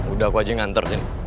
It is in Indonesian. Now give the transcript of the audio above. udah aku aja yang antar sini